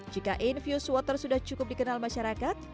sehingga infus water sudah cukup dikenal masyarakat